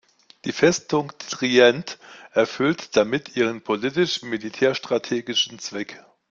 Die Festung Trient erfüllte damit ihren politisch-militärstrategischen Zweck.